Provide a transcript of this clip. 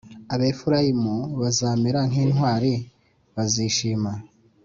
Abefurayimu bazamera nk intwari bazishima